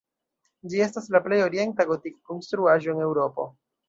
Ĝi estas la plej orienta gotika konstruaĵo en Eŭropo.